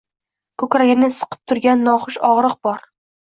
Koʻkragini siqib turgan noxush ogʻriq bor.